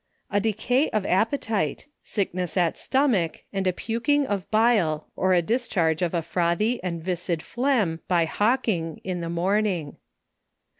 A decay of appetite, sickness at stomach, and a puk ing of bile or a discharge of a frothy and viscid phlegm by hawking, in the morning.